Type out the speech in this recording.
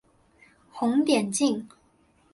红点镜。